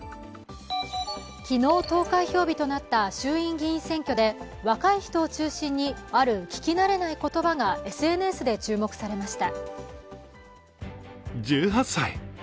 昨日投開票日となった衆議院議員選挙で若い人を中心にある聞き慣れない言葉がＳＮＳで注目されました。